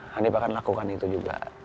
hanif akan lakukan itu juga